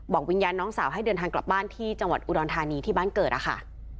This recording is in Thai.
วิญญาณน้องสาวให้เดินทางกลับบ้านที่จังหวัดอุดรธานีที่บ้านเกิดนะคะ